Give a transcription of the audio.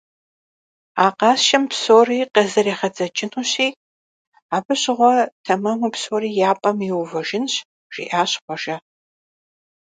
А къасшэм псори къызэригъэдзэкӀынущи, абы щыгъуэ тэмэму псори я пӀэм иувэжынщ, - жиӀащ Хъуэжэ.